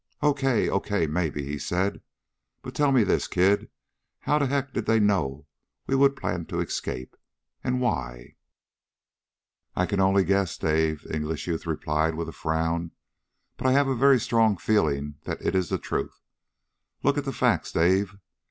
"Okay, okay, maybe," he said. "But tell me this, kid? How the heck did they know we would plan to escape? And why?" "I can only guess, Dave," the English youth replied with a frown. "But I have a very strong feeling that it is the truth. Look at the facts, Dave.